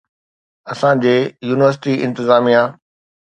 اسان جي يونيورسٽي انتظاميه